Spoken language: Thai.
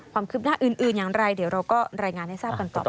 ความคืบหน้าอื่นอย่างไรเดี๋ยวเราก็รายงานให้ทราบกันต่อ